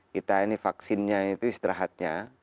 kita ini vaksinnya itu istirahatnya